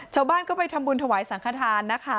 ชาวบ้านก็ไปทำบุญถวายสังขทานนะคะ